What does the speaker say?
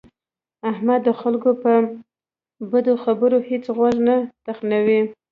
احمد د خلکو په بدو خبرو هېڅ غوږ نه تخنوي.